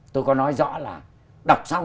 tôi có nói rõ là đọc xong